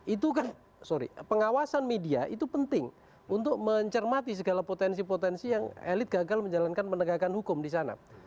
itu kan sorry pengawasan media itu penting untuk mencermati segala potensi potensi yang elit gagal menjalankan penegakan hukum di sana